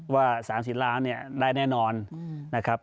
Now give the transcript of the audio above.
ว่า๓๐ล้านได้แน่นอนนะครับ